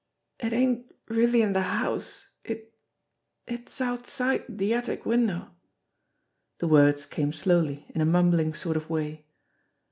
"It ain't really in the house, it it's outside the attic win dow." The words came slowly in a mumbling sort of way.